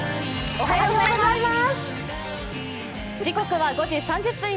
おはようございます。